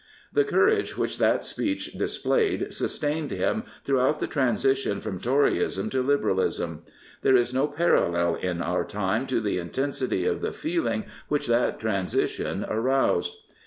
The courage which that speech displayed sustained him throughout the transition from Toryism to Liberalism. There is no parallel in our time to the intensity of the feeling which that transition aroused.